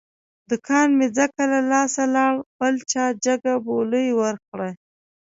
دوکان مې ځکه له لاسه لاړ، بل چا جگه بولۍ ور کړه.